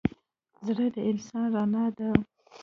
زړه د انسان رڼا ده.